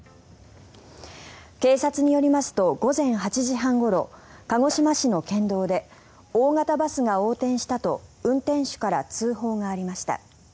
警察によりますと午前８時半ごろ鹿児島市の県道で大型バスが横転したと運転手から通報がありました。